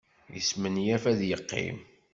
Yesmenyaf ad yeqqim.